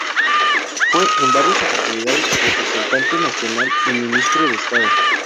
Fue en varias oportunidades representante nacional y Ministro de Estado.